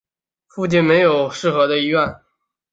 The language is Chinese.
附近没有适合的医院